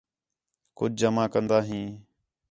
کُج جمع کندا ہیں